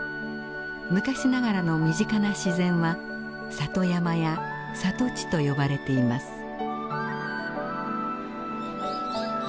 昔ながらの身近な自然は「里山」や「里地」と呼ばれています。